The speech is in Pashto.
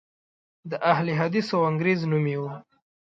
د اهل حدیث وانګریز نوم یې و.